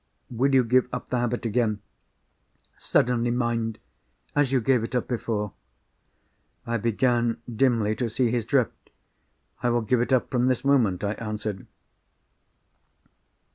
"Will you give up the habit again? Suddenly, mind!—as you gave it up before." I began dimly to see his drift. "I will give it up, from this moment," I answered.